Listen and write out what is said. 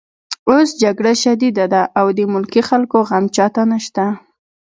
اوس جګړه شدیده ده او د ملکي خلکو غم چاته نشته